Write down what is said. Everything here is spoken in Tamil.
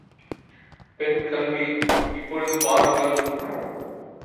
பெண் கல்வி இப்பொழுது பாருங்கள்.